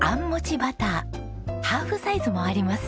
ハーフサイズもありますよ。